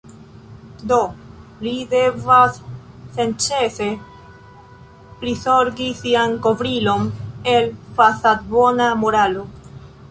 Do li devas senĉese prizorgi sian kovrilon el fasadbona moralo.